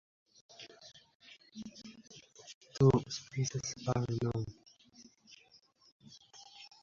Two species are known.